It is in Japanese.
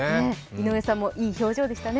井上さんもいい表情でしたね。